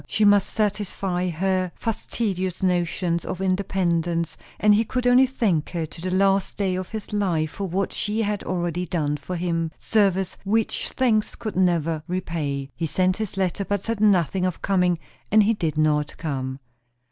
She must satisfy her fastidious notions of independence, and he could only thank her to the last day of his life for what she had already done for him; service which thanks could never repay. He sent this letter, but said nothing of coming; and he did not come.